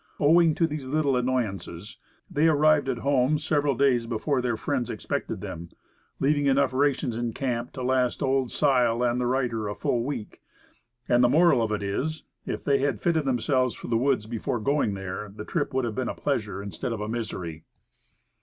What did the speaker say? Owing to these little annoyances, they arrived at home several days before their friends expected them leaving enough rations in camp to last Old Sile and the writer a full week. And the moral of it is, if they had fitted themselves for the woods before going there, the trip would have been a pleasure instead of a misery.